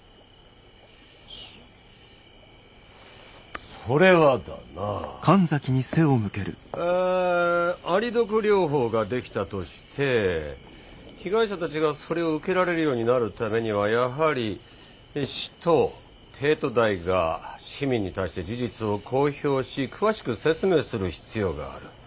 そそれはだなアリ毒療法が出来たとして被害者たちがそれを受けられるようになるためにはやはり市と帝都大が市民に対して事実を公表し詳しく説明する必要がある。